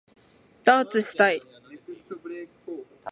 ダーツしたい